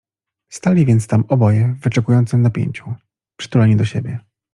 Stali więc tam oboje w wyczekującym napięciu, przytuleni do siebie.